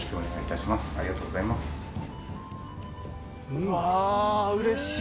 うわあ、うれしい！